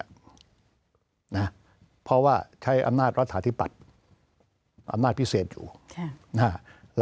นะเพราะว่าใช้อำนาจรัฐฐาธิปัตย์อำนาจพิเศษอยู่ค่ะนะฮะ